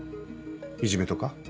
いじめとか？